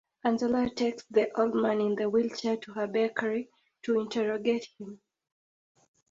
Angela takes the old man in the wheelchair to her bakery to interrogate him.